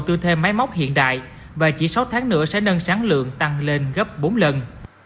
tự thêm máy móc hiện đại và chỉ sáu tháng nữa sẽ nâng sáng lượng tăng lên gấp bốn lần